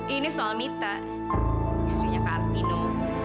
ini soal mita istrinya kak arvino